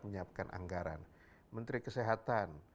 menyiapkan anggaran menteri kesehatan